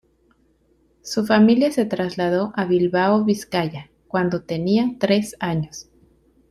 Su familia se trasladó a Bilbao, Vizcaya, cuando tenía tres años.